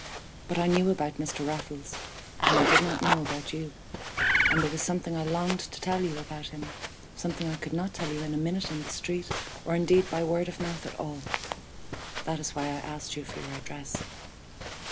But I knew about Mr. Raffles, and I did not know about you, and there was something I longed to tell you about him, something I could not tell you in a minute in the street, or indeed by word of mouth at all. That is why I asked you for your address.